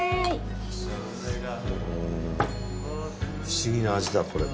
不思議な味だこれ。